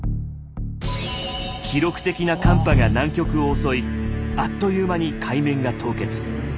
記録的な寒波が南極を襲いあっという間に海面が凍結。